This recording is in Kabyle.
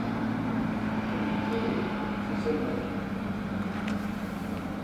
Kennemti d tizermatin!